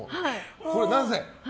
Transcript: これはなぜ？